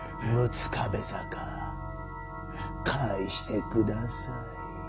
六壁坂返してください。